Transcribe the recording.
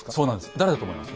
誰だと思います？